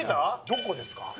どこですか？